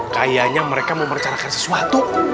kayaknya mereka mau merencanakan sesuatu